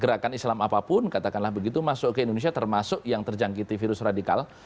gerakan islam apapun katakanlah begitu masuk ke indonesia termasuk yang terjangkiti virus radikal